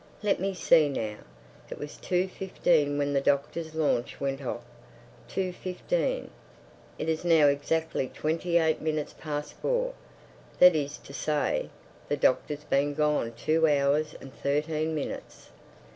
"Let me see now. It was two fifteen when the doctor's launch went off. Two fifteen. It is now exactly twenty eight minutes past four. That is to say, the doctor's been gone two hours and thirteen minutes.